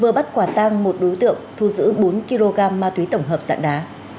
vừa bắt quả tang một đối tượng thu giữ bốn kg ma túy tổng hợp dạng đá